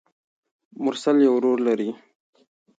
مرسل يو ورور لري.